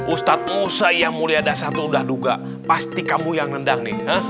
ustadz musa yang mulia ada satu udah duga pasti kamu yang nendang nih